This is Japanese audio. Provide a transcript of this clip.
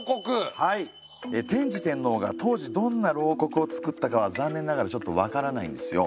天智天皇が当時どんな漏刻をつくったかは残念ながらちょっと分からないんですよ。